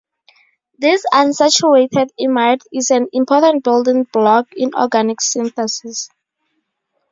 This unsaturated imide is an important building block in organic synthesis.